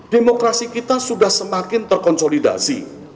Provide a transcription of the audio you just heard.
demokrasi kita sudah semakin terkonsolidasi